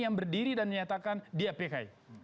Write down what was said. yang berdiri dan menyatakan dia pki